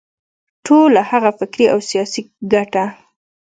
ټوله هغه فکري او سیاسي ګټه.